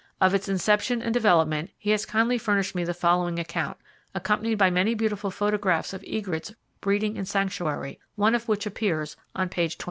Of its inception and development, he has kindly furnished me the following account, accompanied by many beautiful photographs of egrets breeding in sanctuary, one of which appears on page 27.